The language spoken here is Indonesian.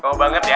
kamu banget ya